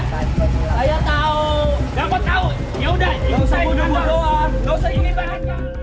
tidak usah ikut ikut